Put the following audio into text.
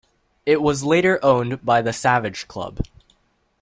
It was later owned by the Savage Club.